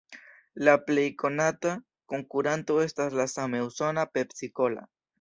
La plej konata konkuranto estas la same usona "Pepsi-Cola".